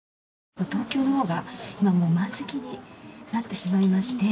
東京のほうが今もう満席になってしまいまして。